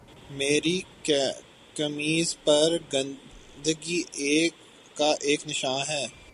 میری قمیض پر گندگی کا ایک نشان ہے